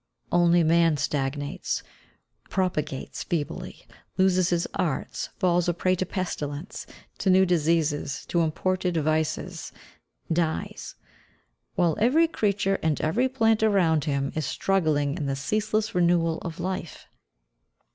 Only man stagnates, propagates feebly, loses his arts, falls a prey to pestilence, to new diseases, to imported vices, dies, while every creature and every plant around him is struggling in the ceaseless renewal of life.